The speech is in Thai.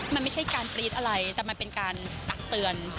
มันไม่ใช่การปรี๊ดอะไรแต่มันเป็นการตักเตือน